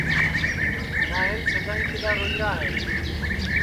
ساہیل سدائی کِدؔا روئی را ہے